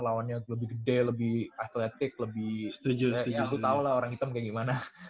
lawannya lebih gede lebih atletik lebih ya lu tau lah orang hitam kayak gimana